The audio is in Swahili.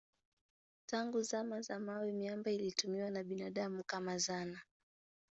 Tangu zama za mawe miamba ilitumiwa na binadamu kama zana.